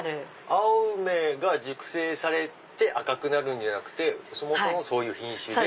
青梅が熟成されて赤くなるんじゃなくてそもそもそういう品種で。